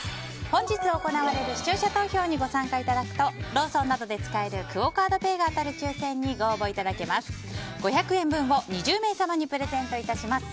本日行われる視聴者投票にご参加いただくとローソンなどで使えるクオ・カードペイが当たる抽選にご応募いただけます。